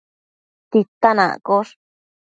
titan accosh